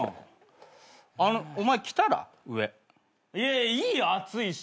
いやいいよ暑いし。